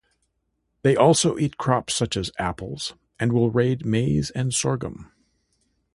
They also eat crops such as apples, and will raid maize and sorghum.